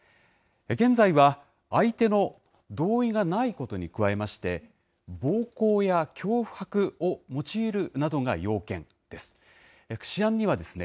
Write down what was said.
現在は、相手の同意がないことに加えまして、暴行や脅迫を用いるなどが要件です。